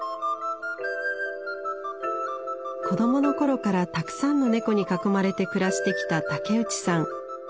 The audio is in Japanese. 子どもの頃からたくさんの猫に囲まれて暮らしてきた竹内さん。